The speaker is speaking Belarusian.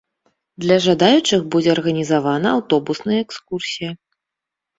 Для жадаючых будзе арганізавана аўтобусная экскурсія.